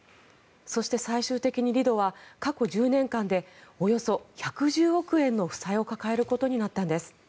そして、最終的にリドは過去１０年間でおよそ１１０億円の負債を抱えることになったんです。